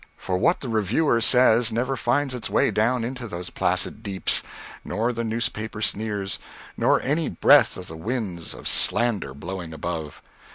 For, what the reviewer says never finds its way down into those placid deeps; nor the newspaper sneers, nor any breath of the winds of slander blowing above.